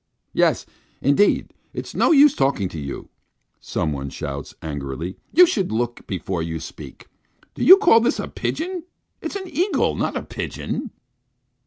"Yes, indeed! It's no use talking to you," someone shouts angrily. "You should look before you speak! Do you call this a pigeon? It is an eagle, not a pigeon!"